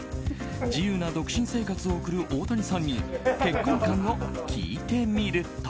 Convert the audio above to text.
自由な独身生活を送る大谷さんに結婚観を聞いてみると。